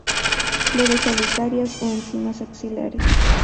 Flores solitarias o en cimas axilares.